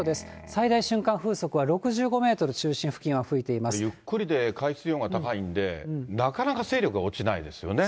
最大瞬間風速は６５メートル、ゆっくりで、海水温が高いんで、なかなか勢力が落ちないですよね。